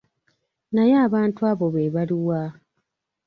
Naye abantu abo be baluwa?